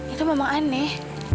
itu memang aneh